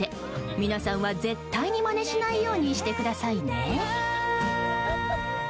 皆さんは絶対にまねしないようにしてくださいね。